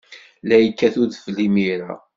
La yekkat udfel imir-a.